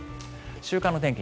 週間の天気